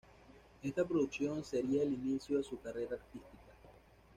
Esta producción sería el inicio de su carrera artística.